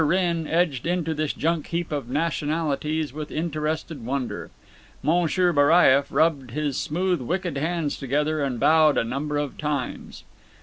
Wrenn edged into this junk heap of nationalities with interested wonder. M. Baraieff rubbed his smooth wicked hands together and bowed a number of times.